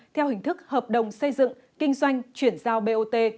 theo hình thức hợp đồng xây dựng kinh doanh chuyển giao bot